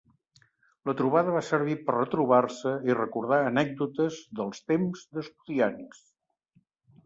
La trobada va servir per retrobar-se i recordar anècdotes dels temps d’estudiants.